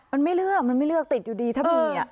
มันไม่เลือกมันไม่เลือกติดอยู่ดีถ้ามี